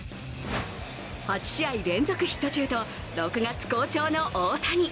８試合連続ヒット中と６月好調の大谷。